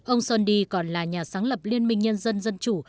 ông sondi còn là nhà sáng lập liên minh nhân dân dân chủ